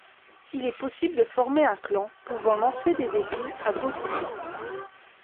Il est possible de former un clan pouvant lancer des défis à d'autres clans.